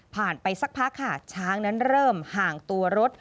ไปสักพักค่ะช้างนั้นเริ่มห่างตัวรถ